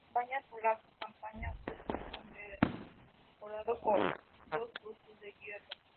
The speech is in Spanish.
Durante la campaña polaca campaña fue condecorado con dos cruces de hierro.